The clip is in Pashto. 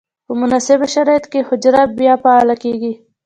په مناسبو شرایطو کې حجره بیا فعاله کیږي.